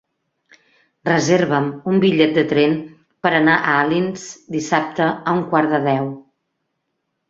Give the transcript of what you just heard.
Reserva'm un bitllet de tren per anar a Alins dissabte a un quart de deu.